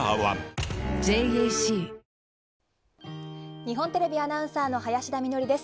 日本テレビアナウンサーの林田美学です。